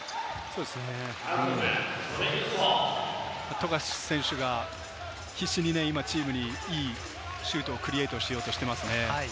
富樫選手が必死にチームに、いいシュートをクリエイトしようとしていますね。